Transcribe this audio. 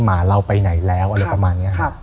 หมาเราไปไหนแล้วอะไรประมาณนี้